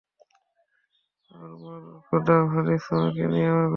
ওহ, মোর খোদা, মেভিস, তোমাকে নিয়ে আমার গর্ব হচ্ছে।